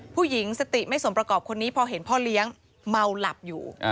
ผู้หญิงสติไม่สมประกอบคนนี้พอเห็นพ่อเลี้ยงเมาหลับอยู่